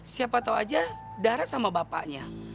siapa tau aja dara sama bapaknya